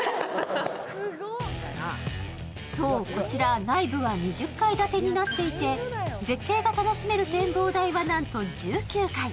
そう、こちら内部は２０階建てになっていて、絶景が楽しめる展望台はなんと１９階。